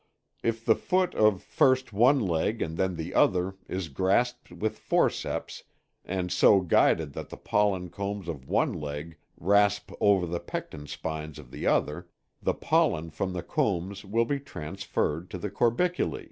If the foot of first one leg and then the other is grasped with forceps and so guided that the pollen combs of one leg rasp over the pecten spines of the other, the pollen from the combs will be transferred to the corbiculæ.